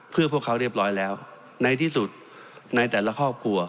เพื่อพวกเขาเรียบร้อยแล้วในที่สุดในแต่ละครอบครัว